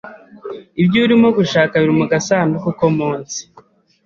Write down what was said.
Ibyo urimo gushaka biri mu gasanduku ko munsi.